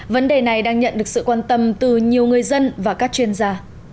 vấn đề này đang nhận được sự quan tâm từ nhiều người dân và các chuyên gia